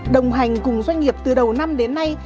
đồng hành cùng doanh nghiệp từ đầu năm đến nay